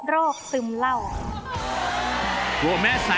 โรคซึมเหล้า